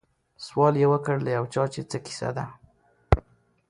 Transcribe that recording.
سوال یې وکړ له یو چا چي څه کیسه ده